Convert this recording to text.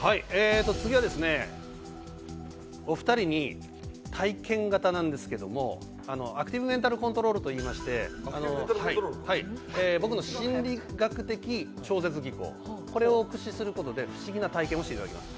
次はお二人に体験型なんですけども、アクティブメンタルコントロールといいまして僕の心理学的超絶技巧、これを駆使することで不思議な体験をしていただきます。